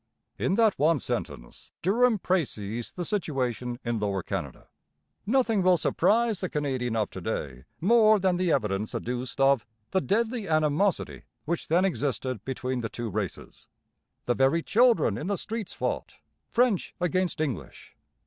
In that one sentence Durham precises the situation in Lower Canada. Nothing will surprise the Canadian of to day more than the evidence adduced of 'the deadly animosity' which then existed between the two races. The very children in the streets fought, French against English.